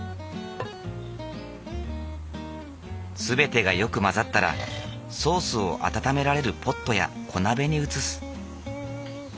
全てがよく混ざったらソースを温められるポットや小鍋に移す。